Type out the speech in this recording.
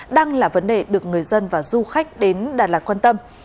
đang là vấn đề được người dân và du khách đến đà lạt quan tâm